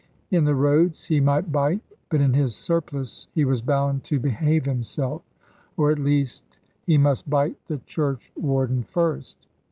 In the roads, he might bite; but in his surplice, he was bound to behave himself, or at least, he must bite the churchwarden first.